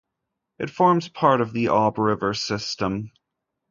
It forms part of the Ob River system.